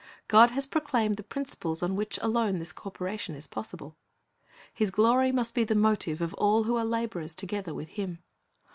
God has proclaimed the principles on which alone this co operation is possible. His glory must be the motive of all who are laborers together with Him.